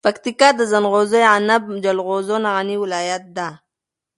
پکتیکا د زنغوزو یعنب جلغوزو نه غنی ولایت ده.